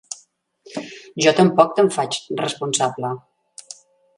Jo tampoc te'n faig responsable.